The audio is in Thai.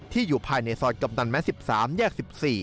อยู่ภายในซอยกำนันแม้๑๓แยก๑๔